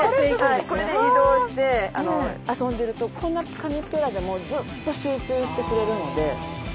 これで移動して遊んでるとこんな紙っぺらでもずっと集中してくれるので。